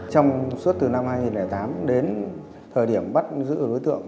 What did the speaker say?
trong suốt từ năm hai nghìn tám đến thời điểm bắt giữ đối tượng